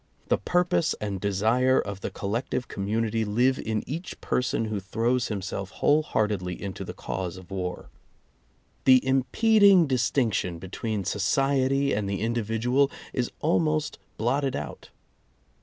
The purpose and desire of the col lective community live in each person who throws himself whole heartedly into the cause of war. [i 4 6] The impeding distinction between society and the individual is almost blotted out.